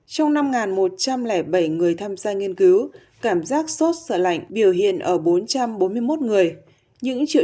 trong năm một trăm linh bảy người tham gia nghiên cứu cảm giác sốt sợ lạnh biểu hiện ở bốn trăm bốn mươi một người những triệu